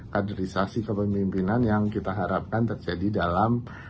kaderisasi kepemimpinan yang kita harapkan terjadi dalam